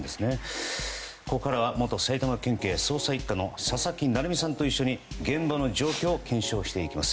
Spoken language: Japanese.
ここからは元埼玉県警捜査１課の佐々木成三さんと一緒に現場の状況を検証していきます。